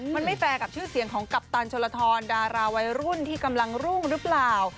มันไม่แฟร์กับชื่อเสียงของกัปตันชนลทรดาราวัยรุ่นที่กำลังรุ่งหรือเปล่า